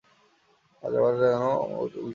আজ আবার যেন উল্টা কথা বলিলেন।